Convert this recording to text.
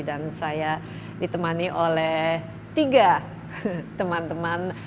dan saya ditemani oleh tiga teman teman